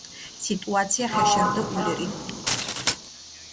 სიტუაცია ხეშე რდჷ ულირი.